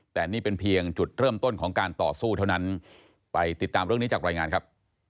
แต่นี่เป็นเพียงจุดเริ่มต้นของการต่อสู้เท่านั้นไปติดตามเรื่องนี้จากรายงานครับ